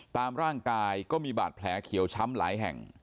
ตามร่างกายก็มีบาดแผลเขียวช้ำหลายแห่ง